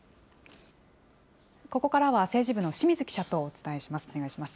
ここからは政治部の清水記者とお伝えします。